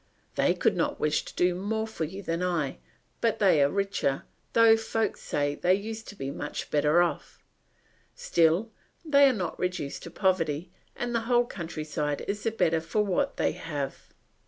They could not wish to do more for you than I, but they are richer, though folks say they used to be much better off. Still they are not reduced to poverty, and the whole country side is the better for what they have."